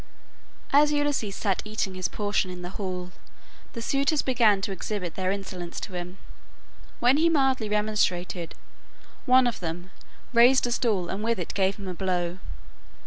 As Ulysses sat eating his portion in the hall, the suitors began to exhibit their insolence to him. When he mildly remonstrated, one of them, raised a stool and with it gave him a blow.